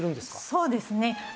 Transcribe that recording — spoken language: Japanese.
そうですね。